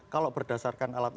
kalau berdasarkan alat